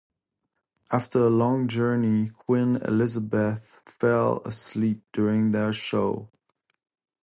After a long journey, Queen Elizabeth fell asleep during their show.